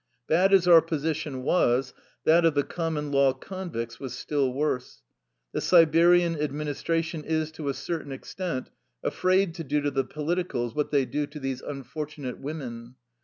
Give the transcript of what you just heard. Bad as our position was, that of the common law convicts was still worse. The Siberian ad ministration is to a certain extent afraid to do to the politicals what they do to these unfortu nate women.